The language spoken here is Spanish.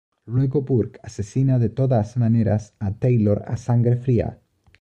Luego Burke asesina de todas maneras a Taylor a sangre fría.